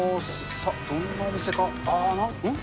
どんなお店か、ん？